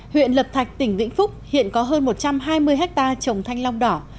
huyện lập thạch tỉnh vĩnh phúc hiện có hơn một trăm hai mươi hectare trồng thanh long đỏ